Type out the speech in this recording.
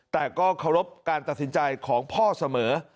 แต่ก็เคารพการตัดสินใจของพ่อเสมอ